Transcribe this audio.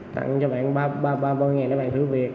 tặng cho bạn ba mươi ngày để bạn thử việc